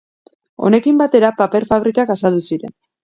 Honekin batera paper fabrikak azaldu ziren.